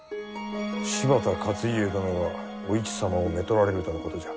柴田勝家殿がお市様をめとられるとのことじゃ。